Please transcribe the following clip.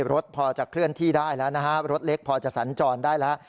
รถพอจะเคลื่อนที่ได้แล้วนะฮะรถเล็กพอจะสัญจรได้แล้ว